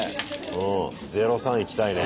０３いきたいね。